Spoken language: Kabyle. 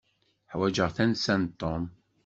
Ḥwaǧeɣ tansa n Tom.